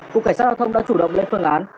cục cảnh sát giao thông đã chủ động lên phương án